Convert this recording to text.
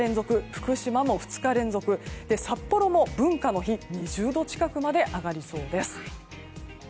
福島も２日連続札幌も文化の日２０度近くまで上がりそうです。